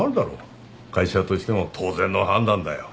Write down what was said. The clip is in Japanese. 会社としても当然の判断だよ。